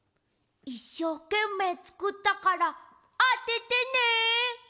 いっしょうけんめいつくったからあててね。